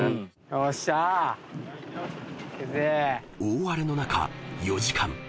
［大荒れの中４時間］